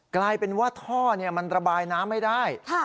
กลายเป็นว่าท่อมันระบายน้ำไม่ได้